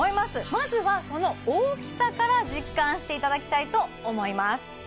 まずはその大きさから実感していただきたいと思います